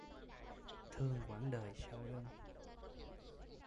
Thương quãng đời sau lưng